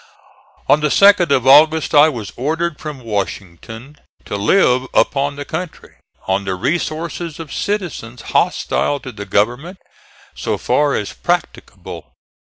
On the 2d of August I was ordered from Washington to live upon the country, on the resources of citizens hostile to the government, so far as practicable.